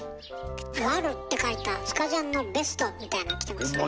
「ワル」って書いたスカジャンのベストみたいの着てますね。